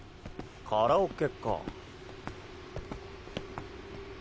カラオケか。